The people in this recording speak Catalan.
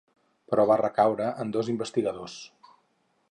Però va recaure en dos investigadors.